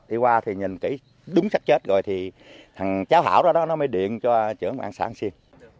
đi qua thì nhìn kỹ đúng sát chết rồi thì cháu hảo đó nó mới điện cho trưởng an xã an xuyên